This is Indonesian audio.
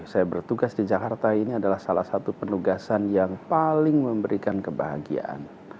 saya bertugas di jakarta ini adalah salah satu penugasan yang paling memberikan kebahagiaan